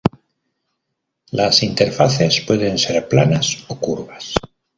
Las interfaces pueden ser planas o curvas.